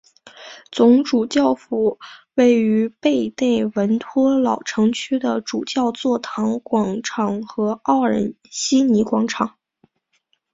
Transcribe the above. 总主教府位于贝内文托老城区的主教座堂广场和奥尔西尼广场。